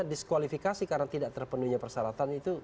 diskualifikasi karena tidak terpenuhi persyaratan itu